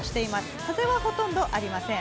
風はほとんどありません。